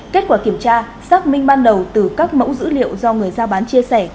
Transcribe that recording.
kết quả kiểm tra xác minh ban đầu từ các mẫu dữ liệu do người giao bán chia sẻ